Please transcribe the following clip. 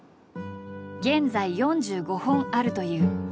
現在４５本あるという。